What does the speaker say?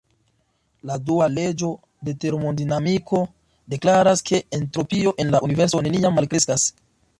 La dua leĝo de termodinamiko deklaras, ke entropio en la Universo neniam malkreskas.